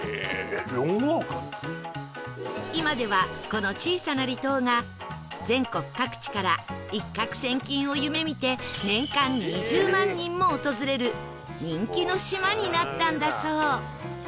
今ではこの小さな離島が全国各地から一攫千金を夢見て年間２０万人も訪れる人気の島になったんだそう